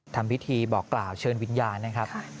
ทำพิธีบอกกล่าวเชิญวิญญาณนะครับ